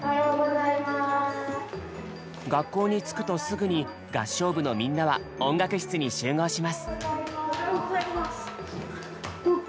学校に着くとすぐに合唱部のみんなは音楽室に集合します。